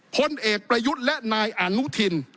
พลเอกประยุทธ์และนายอนุทิน